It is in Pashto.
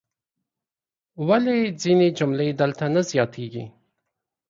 ولې ځینې جملې دلته نه زیاتیږي؟